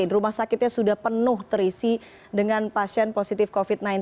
rumah sakitnya sudah penuh terisi dengan pasien positif covid sembilan belas